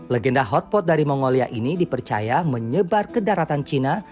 legenda hotpot dari mongolia ini dipercaya menyebar ke daratan cina